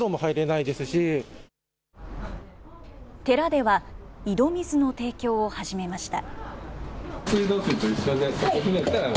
寺では井戸水の提供を始めました。